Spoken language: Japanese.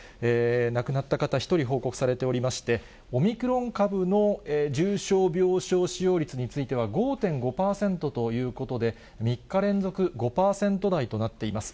亡くなった方１人報告されておりまして、オミクロン株の重症病床使用率については、５．５％ということで、３日連続５％台となっています。